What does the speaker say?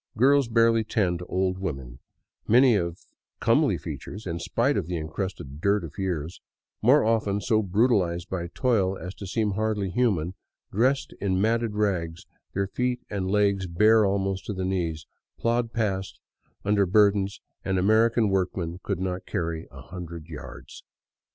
Girls barely ten, to old women, many of comely features in spite of the encrusted dirt of years, more often so brutalized by toil as to seem hardly human, dressed in matted rags, their feet and legs bare almost to the knees, plod past under burdens an American workman could not carry a hundred yards.